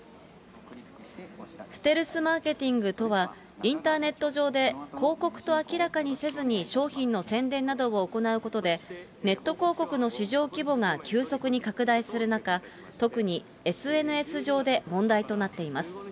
ステルスマーケティングとは、インターネット上で広告と明らかにせずに商品の宣伝などを行うことで、ネット広告の市場規模が急速に拡大する中、特にＳＮＳ上で問題となっています。